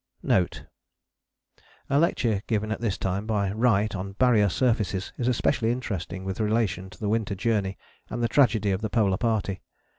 NOTE A lecture given at this time by Wright on Barrier Surfaces is especially interesting with relation to the Winter Journey and the tragedy of the Polar Party.